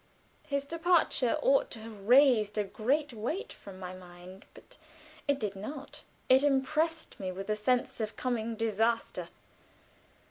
His departure ought to have raised a great weight from my mind, but it did not; it impressed me with a sense of coming disaster.